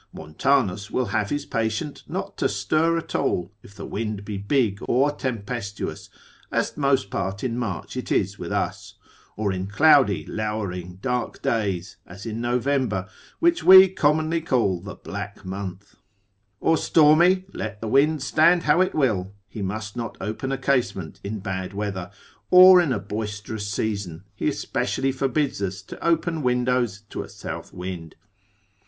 Montanus will have his patient not to stir at all, if the wind be big or tempestuous, as most part in March it is with us; or in cloudy, lowering, dark days, as in November, which we commonly call the black month; or stormy, let the wind stand how it will, consil. 27. and 30. he must not open a casement in bad weather, or in a boisterous season, consil. 299, he especially forbids us to open windows to a south wind.